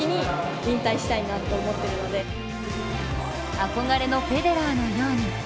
憧れのフェデラーのように。